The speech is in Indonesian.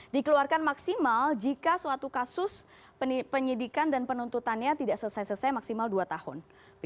dikeluarkan maksimal jika suatu kasus penyidikan dan penuntutannya tidak selesai selesai maksimal dua tahun